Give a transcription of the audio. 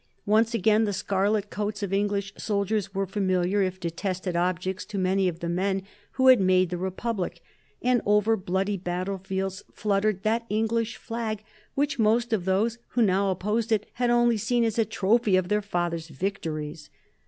Once again the scarlet coats of English soldiers were familiar, if detested, objects to many of the men who had made the Republic, and over bloody battle fields fluttered that English flag which most of those who now opposed it had only seen as a trophy of their fathers' victories.